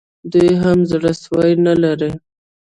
دی هم زړه سوی نه لري